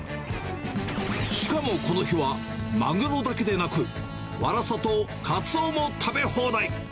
しかもこの日は、マグロだけでなく、ワラサとカツオも食べ放題。